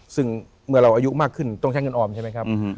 ซึ่งเมื่อเราอายุมากขึ้นต้องใช้เงินออมใช่ไหมครับ